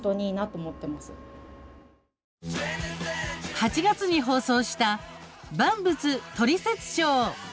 ８月に放送した「万物トリセツショー」。